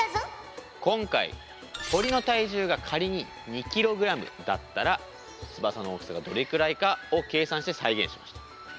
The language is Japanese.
今回鳥の体重が仮に２ｋｇだったら翼の大きさがどれくらいかを計算して再現しました。